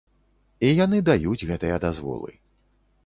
І яны даюць гэтыя дазволы.